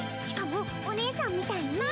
しかもお姉さんみたいに。